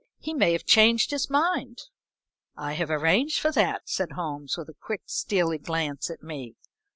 "He may have changed his mind." "I have arranged for that," said Holmes, with a quick, steely glance at me.